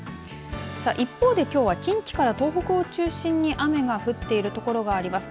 一方で、きょうは近畿から東北を中心に雨が降っている所があります。